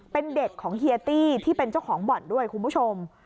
เป็นเด็กของเฮียตี้ที่เป็นเจ้าของบ่อนด้วยคุณผู้ชม